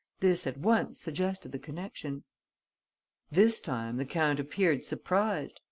This at once suggested the connection." This time the count appeared surprised.